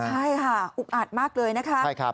ใช่ค่ะอุกอัดมากเลยนะคะ